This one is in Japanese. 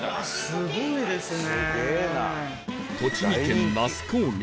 すごいですね。